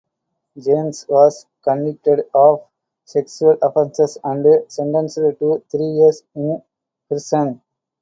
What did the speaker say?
James was convicted of sexual offenses and sentenced to three years in prison.